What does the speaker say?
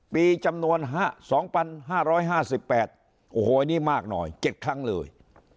ปีจำนวน๒๕๕๘โอ้โหนี่มากหน่อย๗ครั้งเลย